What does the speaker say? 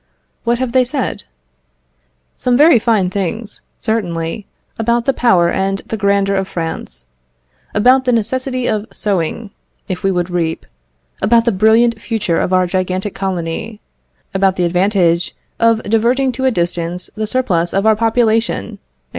What have they said? Some very fine things, certainly, about the power and the grandeur of France; about the necessity of sowing, if we would reap; about the brilliant future of our gigantic colony; about the advantage of diverting to a distance the surplus of our population, &c.